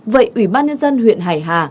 vậy ubnz huyện hải hà